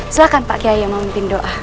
silahkan pak kiai yang memimpin doa